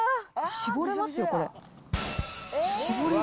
絞れますよ、これ。